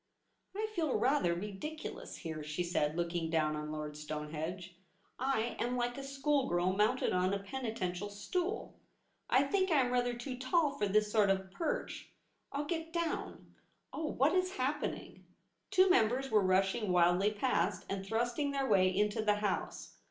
* I feel rather ridiculous here,' she said, looking down on Lord Stonehenge. ' I am like a schoolgirl mounted on a penitential stool. I think I am rather too tall for this sort of perch; I'll get down. Oh! what is happening ?' Two members were rushing wildly past, and thrusting their way into the House.